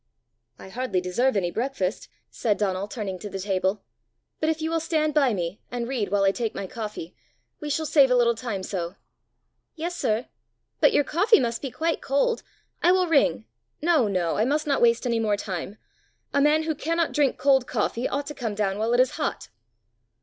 "I hardly deserve any breakfast!" said Donal, turning to the table; "but if you will stand by me, and read while I take my coffee, we shall save a little time so." "Yes, sir. But your coffee must be quite cold! I will ring." "No, no; I must not waste any more time. A man who cannot drink cold coffee ought to come down while it is hot."